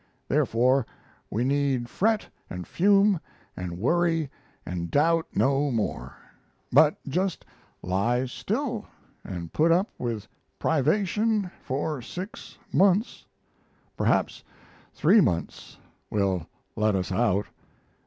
Therefore we need fret and fume and worry and doubt no more, but just lie still and put up with privation for six months. Perhaps 3 months will "let us out."